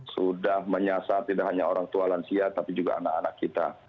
sudah menyasar tidak hanya orang tua lansia tapi juga anak anak kita